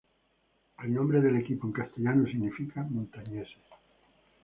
El nombre del equipo en castellano significa "Montañeses".